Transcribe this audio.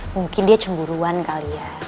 mungkin dia cemburuan kali ya